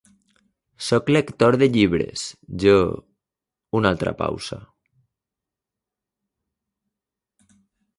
Sóc lector de llibres, jo —una altra pausa—.